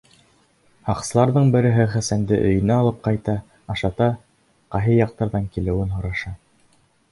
Һаҡсыларҙың береһе Хәсәнде өйөнә алып ҡайта, ашата, ҡайһы яҡтарҙан килеүен һораша.